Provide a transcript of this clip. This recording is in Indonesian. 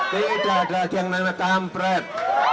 tidak ada lagi yang namanya kampret